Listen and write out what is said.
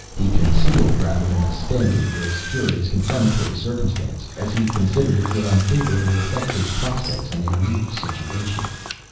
He concealed rather than ostended this curious confirmatory circumstance, as he considered it would unfavourably affect his prospects in a new situation.